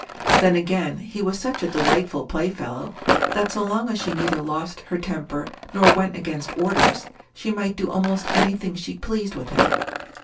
Then again, he was such a delightful playfellow, that so long as she neither lost her temper, nor went against orders, she might do almost any thing she pleased with him.